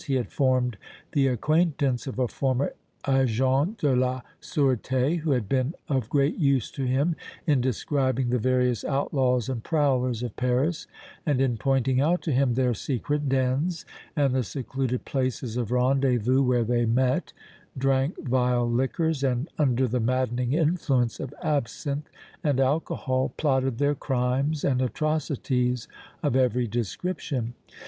He had formed the acquaintance of a former Agent de la Sureté, who had been of great use to him in describing the various outlaws and prowlers of Paris, and in pointing out to him their secret dens and the secluded places of rendezvous where they met, drank vile liquors, and, under the maddening influence of absinthe and alcohol, plotted their crimes and atrocities of every description.